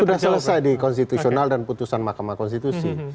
sudah selesai di konstitusional dan putusan mahkamah konstitusi